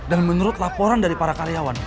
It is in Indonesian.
dan menurut laporan dari para karyawan